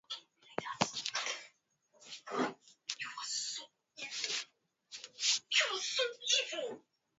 Afisa Mfawidhi aliteuliwa kukamilisha taratibu takwimu za kiutawala